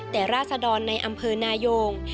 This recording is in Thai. แต่ราศดรในอำเภอนายง